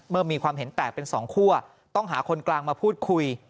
เมื่อมีความเห็นแตกเป็น๒คั่วต้องหาคนกลางมาพูดคุย